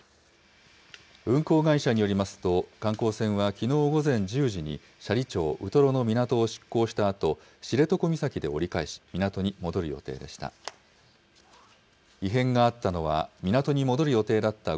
運航会社によりますと、観光船はきのう午前１０時に斜里町ウトロの港を出港したあと、知床岬で折り返し、港に戻る予定でした。